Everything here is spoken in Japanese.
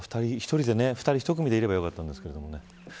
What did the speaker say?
２人１組でいればよかったんですけどね。